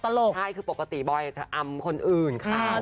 ใช่คือปกติบอยจะอำคนอื่นค่ะ